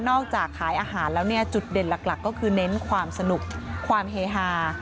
นอกจากขายอาหารแล้วจุดเด่นหลักก็คือเน้นความสนุกความเฮฮา